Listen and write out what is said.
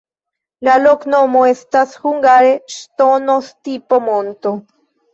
La loknomo estas hungare: ŝtono-stipo-monto.